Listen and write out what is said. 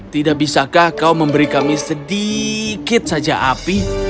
tidak bisakah kau memberi kami sedikit saja api